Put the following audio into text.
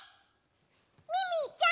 ミミィちゃん